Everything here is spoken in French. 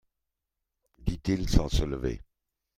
dit-il sans se lever.